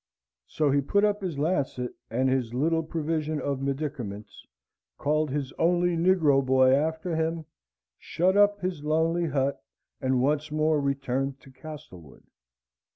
So he put up his lancet, and his little provision of medicaments; called his only negro boy after him, shut up his lonely hut, and once more returned to Castlewood.